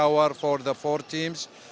dan sebuah tandas untuk empat tim